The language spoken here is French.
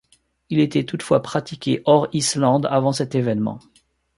Il était toutefois pratiqué hors Islande avant cet évènement.